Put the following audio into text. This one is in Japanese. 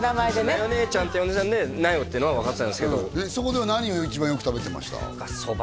奈代姉ちゃんって呼んでたんで奈代っていうのは分かってたそこでは何を一番よく食べてました？